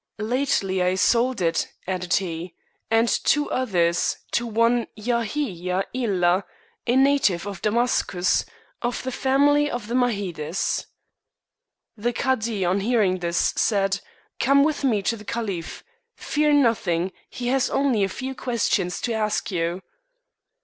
" Lately I sold it," added he, " and two others, to one Yahiya Ilha, a native of Damascus, of the family of the Mahides." The cadi on hearing this said, " Come with me to the caliph ; fear nothing, he has only a few questions to ask you."